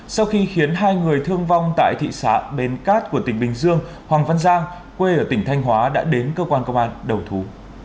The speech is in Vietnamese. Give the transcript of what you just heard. sau khi khiến hai người thương vong tại thị xã bến cát của tỉnh bình dương hoàng văn giang quê ở tỉnh thanh hóa đã đến cơ quan công an đầu thú